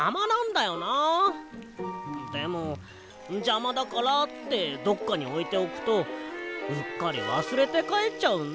でもじゃまだからってどっかにおいておくとうっかりわすれてかえっちゃうんだ。